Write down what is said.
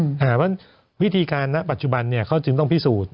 เพราะฉะนั้นวิธีการณปัจจุบันเขาจึงต้องพิสูจน์